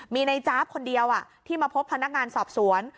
มีในจ๊าบคนเดียวที่มาพบพนักงานสอบสวน